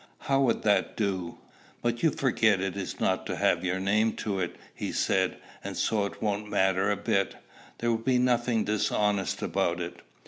How would that do?" "But you forget it is not to have your name to it," he said; "and so it won't matter a bit. There will be nothing dishonest about it."